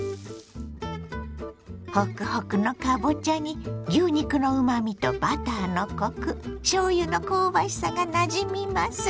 ホクホクのかぼちゃに牛肉のうまみとバターのコクしょうゆの香ばしさがなじみます。